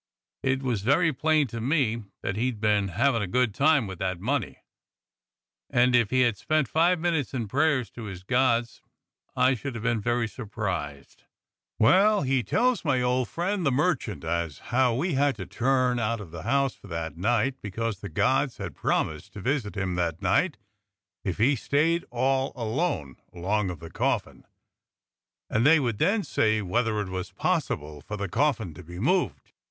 It was very plain to me that he'd been havin' a good time with that money, and if he had spent five minutes in prayers to his gods I should be very much surprised. Well, he tells my old friend the merchant as how we had to turn out of the house for that night, because the gods had promised to visit him that night if he stayed all alone along of the coffin, and they would then say whether it was possible THE SEXTON SPEAKS 183 for the coffin to be moved.